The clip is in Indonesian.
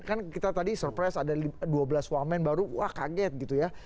kan kita tadi surprise ada dua belas wamen baru wah kaget gitu ya